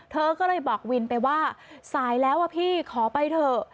เธอก็เลยบอกวินไปว่าสายแล้วอะพี่ขอไปเถอะ